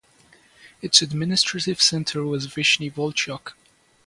Its administrative centre was Vyshny Volochyok.